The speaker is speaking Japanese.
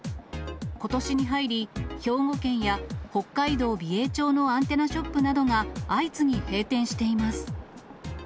ことしに入り、兵庫県や北海道美瑛町のアンテナショップなどが相次ぎ閉店しています。